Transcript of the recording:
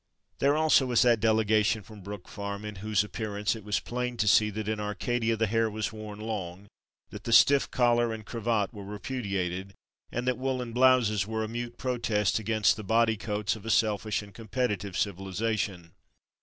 There, also, was the delegation from Brook Farm, in whose appearance it was plain to see that in Arcadia the hair was worn long, that the stiff collar and cravat were repudiated, and that woollen blouses were a mute protest against the body coats of a selfish and competitive civilization.